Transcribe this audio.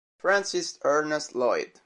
Francis Ernest Lloyd